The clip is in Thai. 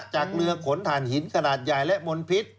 จากเรือขนถ่านหินขนาดใหญ่และมนพิษ